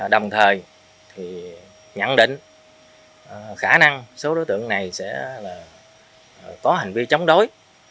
đồng thời nhận định khả năng số đối tượng này sẽ là có hành vi chống đối